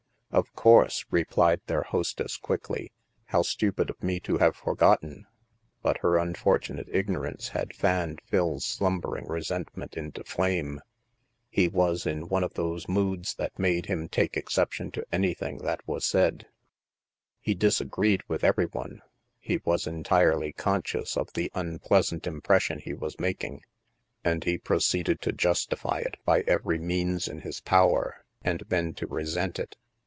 "Of course," replied their hostess quickly, " how stupid of me to have forgotten." But her unfor tunate ignorance had fanned Phil's slumbering re sentment into flame. He was in one of those moods that made him take exception to anything that was said; he disagreed with every one; he was entirely conscious of the unpleasant impression he was making, and he proceeded to justify it by every means in his power, and then to resent it.